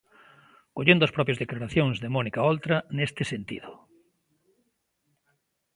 Collendo as propias declaracións de Mónica Oltra neste sentido.